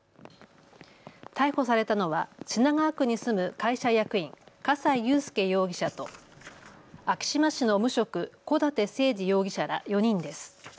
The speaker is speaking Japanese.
逮捕されたのは品川区に住む会社役員、葛西悠介容疑者と昭島市の無職、小舘誠治容疑者ら４人です。